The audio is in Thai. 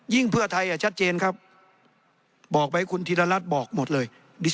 เพื่อไทยชัดเจนครับบอกไปคุณธิรรัฐบอกหมดเลย